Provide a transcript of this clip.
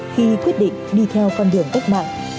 khi quyết định đi theo con đường cách mạng